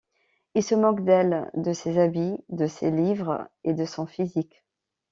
Ils se moquent d'elle, de ses habits, de ses livres et de son physique.